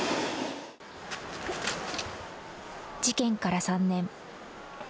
事件から３年。